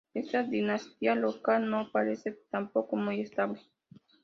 Esta dinastía local no parece tampoco muy estable.